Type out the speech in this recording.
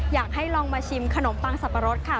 อยากให้ลองมาชิมขนมปังสับปะรดค่ะ